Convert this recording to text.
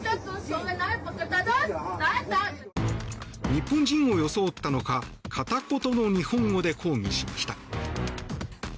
日本人を装ったのか片言の日本語で抗議しました。